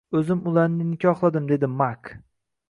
O`zim ularni nikohladim, dedi Mak